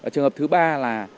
trường hợp thứ ba là